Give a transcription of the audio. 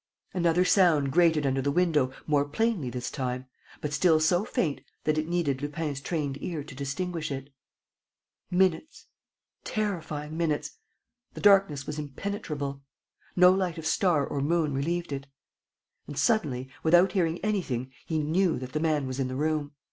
Another sound grated under the window, more plainly this time, but still so faint that it needed Lupin's trained ear to distinguish it. Minutes, terrifying minutes. ... The darkness was impenetrable. No light of star or moon relieved it. And, suddenly, without hearing anything, he knew that the man was in the room.